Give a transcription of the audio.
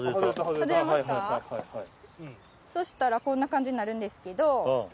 したらこんな感じなるんですけど。